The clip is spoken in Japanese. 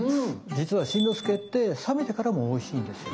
実は新之助って冷めてからもおいしいんですよ。